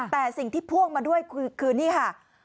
แต่สิ่งที่พ่วงมาด้วยคือนี่ค่ะ